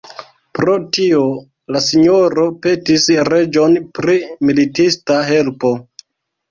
Pro tio la sinjoro petis reĝon pri militista helpo.